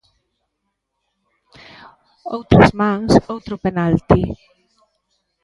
Outras mans, outro penalti.